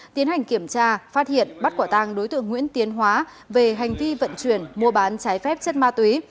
tiến hành kiểm tra phát hiện bắt quả tăng đối tượng nguyễn tiến hóa về hành vi vận chuyển mua bán trái phép chất ma túy